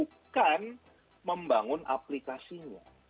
dia bukan membangun aplikasinya